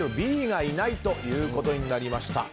Ｂがいないということになりました。